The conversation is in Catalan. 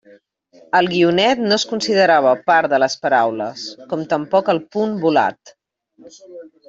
El guionet no es considerava part de les paraules, com tampoc el punt volat.